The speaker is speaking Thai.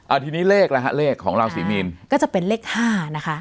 ทีนี้เลขแล้วฮะเลขของราศีมีนก็จะเป็นเลขห้านะคะ